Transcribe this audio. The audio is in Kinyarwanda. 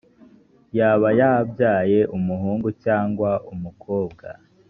yaba yabyaye umuhungu cyangwa umukobwa?